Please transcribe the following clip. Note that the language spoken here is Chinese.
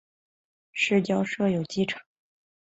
市郊设有机场。